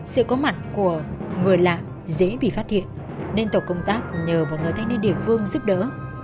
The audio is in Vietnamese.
sự có mặt của người lạ dễ bị phát hiện nên tổ công tác nhờ một người thanh niên địa phương giúp đỡ